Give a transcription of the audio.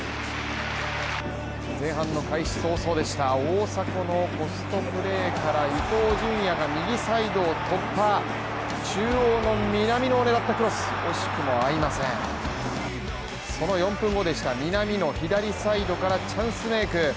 前半の開始早々でした大迫のポストプレーから伊東純也が右サイドを突破、中央の南野その４分後でした南野、左サイドからチャンスメイク。